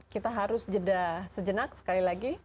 kita harus jeda sejenak sekali lagi